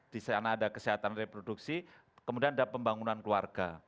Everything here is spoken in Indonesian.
di sana ada kesehatan reproduksi kemudian ada pembangunan keluarga